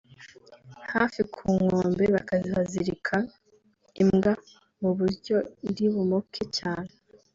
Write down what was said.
hafi ku nkombe bakahazirika imbwa mu buryo iri bumoke cyane